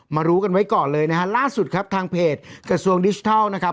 รู้กันไว้ก่อนเลยนะฮะล่าสุดครับทางเพจกระทรวงดิจิทัลนะครับ